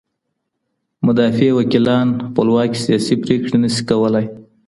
مدافع وکیلان خپلواکي سیاسي پریکړي نه سي کولای.